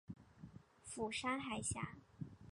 釜山海峡。